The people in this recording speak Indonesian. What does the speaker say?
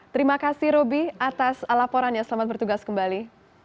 terima kasih roby atas laporannya selamat bertugas kembali